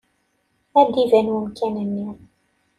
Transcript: Ad d-iban umakar-nni.